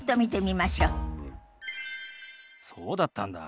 そうだったんだ。